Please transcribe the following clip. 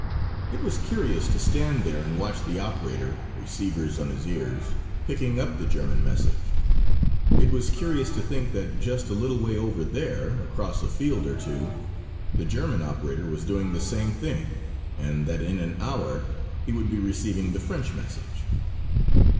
It was curious to stand there and watch the operator, receivers on his ears, picking up the German message. It was curious to think that, just a little way over there, across a field or two, the German operator was doing the same thing, and that in an hour he would be receiving the French message.